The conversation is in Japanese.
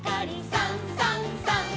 「さんさんさん」